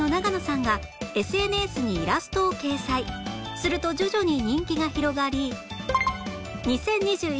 すると徐々に人気が広がり